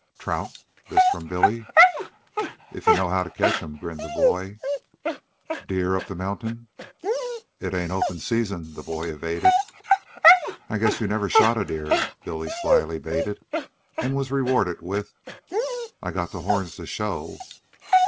"Trout?" this from Billy. "If you know how to catch 'em," grinned the boy. "Deer up the mountain?" "It ain't open season," the boy evaded. "I guess you never shot a deer," Billy slyly baited, and was rewarded with: "I got the horns to show."